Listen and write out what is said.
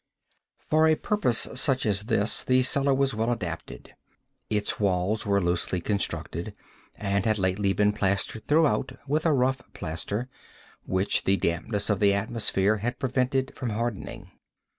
For a purpose such as this the cellar was well adapted. Its walls were loosely constructed, and had lately been plastered throughout with a rough plaster, which the dampness of the atmosphere had prevented from hardening.